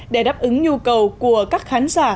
để đáp ứng nhu cầu của các khán giả